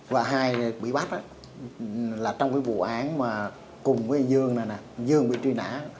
vợ hai bị bắt là trong cái vụ án mà cùng với dương này nè dương bị truy nã